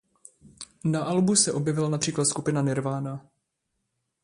Na albu se objevila například skupina Nirvana.